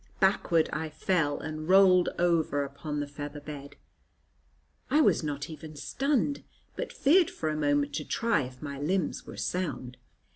Backward I fell, and rolled over upon the feather bed. I was not even stunned, but feared for a moment to try if my limbs were sound.